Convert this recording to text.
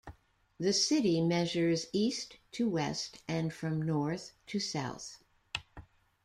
The city measures east to west and from north to south.